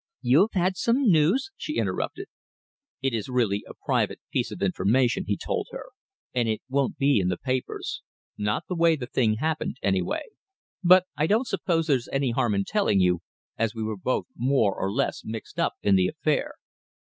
"You have had some news?" she interrupted. "It is really a private piece of information," he told her, "and it won't be in the papers not the way the thing happened, anyway but I don't suppose there's any harm in telling you, as we were both more or less mixed up in the affair.